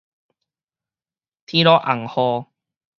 天落紅雨